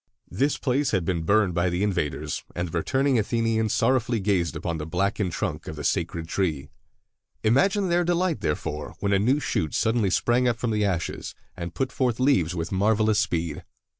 This place had been burned by the invaders, and the returning Athenians sorrowfully gazed upon the blackened trunk of the sacred tree. Imagine their delight, therefore, when a new shoot suddenly sprang up from the ashes, and put forth leaves with marvelous speed.